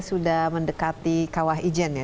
sudah mendekati kawah ijen